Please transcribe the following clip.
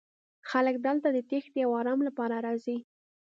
خلک دلته د تیښتې او ارام لپاره راځي